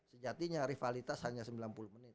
sejatinya rivalitas hanya sembilan puluh menit